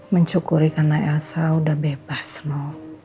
menyokuri karena elsa udah bebas noh